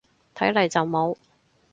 睇嚟就冇